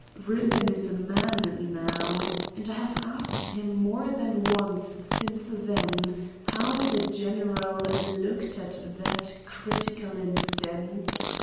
"'Reuben is a man now, and I have asked him more than once since then how the general looked at that critical instant.